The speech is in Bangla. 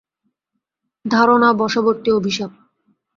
ধারনা বশবর্তী অভিশাপ!